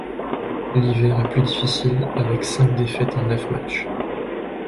L'hiver est plus difficile, avec cinq défaites en neuf matchs.